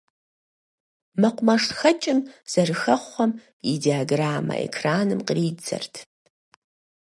МэкъумэшхэкӀым зэрыхэхъуэм и диаграммэ экраным къридзэрт.